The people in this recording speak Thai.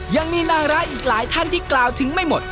ยังมีนางร้ายอีกหลายท่านที่กล่าวถึงไม่หมด